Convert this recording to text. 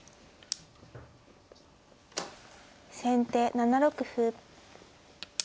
先手７六歩。